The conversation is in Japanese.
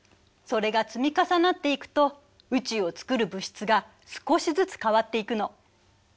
それが積み重なっていくと宇宙をつくる物質が少しずつ変わっていくの。